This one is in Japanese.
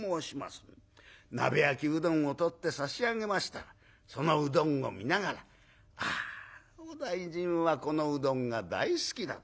鍋焼きうどんを取って差し上げましたらそのうどんを見ながらあお大尽はこのうどんが大好きだった。